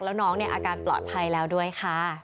แล้วน้องเนี่ยอาการปลอดภัยแล้วด้วยค่ะ